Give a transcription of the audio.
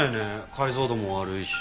解像度も悪いし。